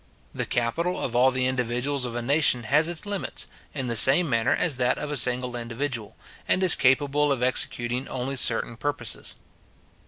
The capital of all the individuals of a nation has its limits, in the same manner as that of a single individual, and is capable of executing only certain purposes.